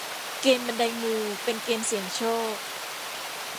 เกมส์บันไดงูเป็นเกมส์เสี่ยงโชค